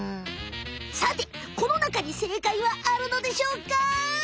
さてこのなかに正解はあるのでしょうか？